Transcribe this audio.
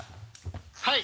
はい。